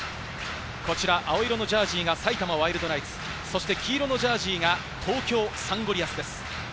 青色のジャージーが埼玉ワイルドナイツ、黄色のジャージーが東京サンゴリアスです。